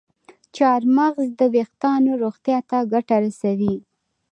چارمغز د ویښتانو روغتیا ته ګټه رسوي.